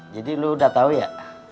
jadi lu udah tau ya